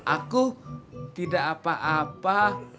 aku tidak apa apa